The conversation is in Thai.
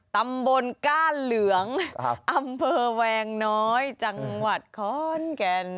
ตำบลก้านเหลืองอำเภอแวงน้อยจังหวัดขอนแก่น